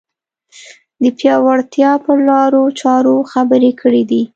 د پیاوړتیا پر لارو چارو خبرې کړې دي